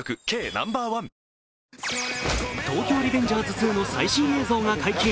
ナンバーワン「東京リベンジャーズ２」の最新映像が解禁。